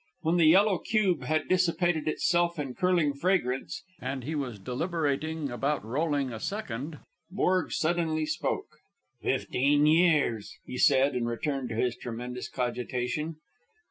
When the yellow cube had dissipated itself in curling fragrance, and he was deliberating about rolling a second, Borg suddenly spoke. "Fifteen years," he said, and returned to his tremendous cogitation.